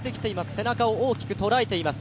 背中を大きく捉えています。